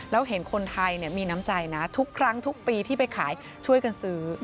แล้วเห็นคนไทยมีน้ำใจนะทุกครั้งทุกปีที่ไปขายช่วยกันซื้อ